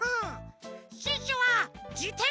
シュッシュはじてんしゃ！